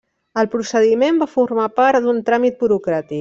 El procediment va formar part d'un tràmit burocràtic.